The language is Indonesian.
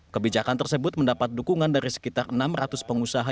kebijakan tersebut mendapat dukungan dari sekitar enam ratus pengusaha